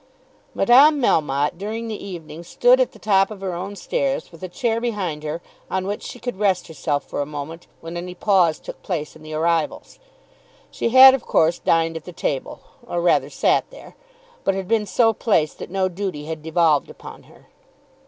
Madame Melmotte during the evening stood at the top of her own stairs with a chair behind her on which she could rest herself for a moment when any pause took place in the arrivals. She had of course dined at the table, or rather sat there; but had been so placed that no duty had devolved upon her.